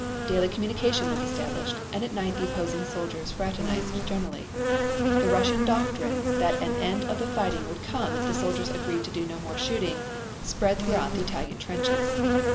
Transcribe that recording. Daily communication was established and at night the opposing soldiers fraternized generally. The Russian doctrine that an end of the fighting would come if the soldiers agreed to do no more shooting, spread throughout the Italian trenches.